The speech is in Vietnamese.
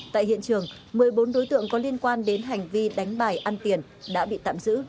tại hiện trường một mươi bốn đối tượng có liên quan đến hành vi đánh bài ăn tiền đã bị tạm giữ